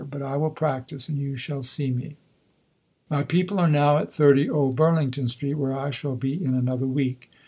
But I will practise and you shall see me. My people are now at 30 Old Burlington Street, where I shall be in another week.